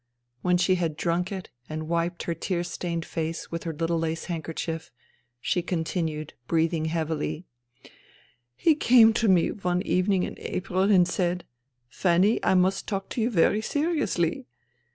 When she had drunk it and wiped her tear stained face with her little lace handkerchief, she continued, breathing heavily :" He came to me one evening in April and said :"' Fanny, I must talk to you very seriously.